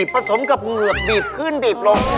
ผสมกับเหงือกบีบขึ้นบีบลง